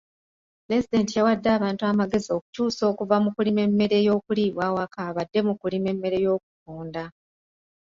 Pulezidenti yawadde abantu amagezi okukyusa okuva mu kulima emmere y'okuliibwa ewaka badde mu kulima emmere y'okutunda.